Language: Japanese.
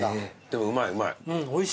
でもうまいうまい。